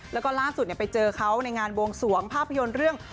แล้วก็ล่าสุดไปเจอเขาในงานบวงสวงภาพยนตร์เรื่อง